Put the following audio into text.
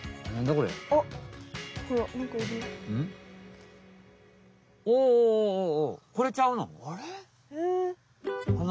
これちゃうの？